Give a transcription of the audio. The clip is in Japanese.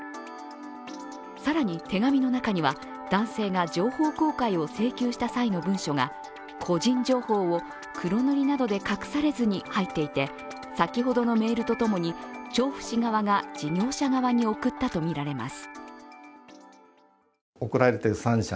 更に、手紙の中には男性が情報公開を請求した際の文書が個人情報を黒塗りなどで隠されずに入ってきて先ほどのメールとともに調布市側が事業者側に送ったとみられています。